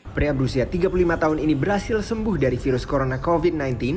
pria berusia tiga puluh lima tahun ini berhasil sembuh dari virus corona covid sembilan belas